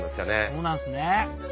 そうなんですね。